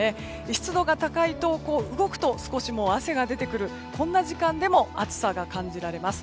湿度が高いと動くと少し汗が出てくるこんな時間でも暑さが感じられます。